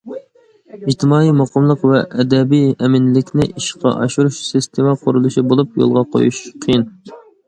ئىجتىمائىي مۇقىملىق ۋە ئەبەدىي ئەمىنلىكنى ئىشقا ئاشۇرۇش سىستېما قۇرۇلۇشى بولۇپ، يولغا قويۇش قىيىن.